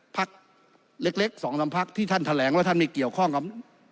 พักเล็ก๒๓พักที่ท่านแถลงว่าท่านไม่เกี่ยวข้องกับ